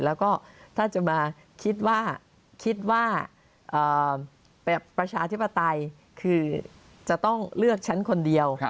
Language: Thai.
แล้วก็ถ้าจะมาคิดว่าคิดว่าประชาธิปไตยคือจะต้องเลือกฉันคนเดียว